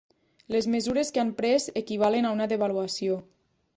Les mesures que han pres equivalen a una devaluació.